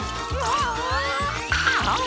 ああ。